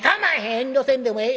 遠慮せんでもええ。